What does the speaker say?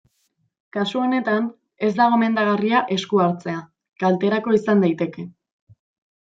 Kasu honetan, ez da gomendagarria esku hartzea, kalterako izan daiteke.